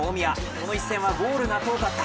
この１戦はゴールが遠かった。